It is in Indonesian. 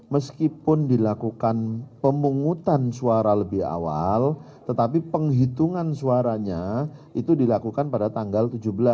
meskipun dilakukan pemungutan suara lebih awal tetapi penghitungan suaranya itu dilakukan pada tanggal tujuh belas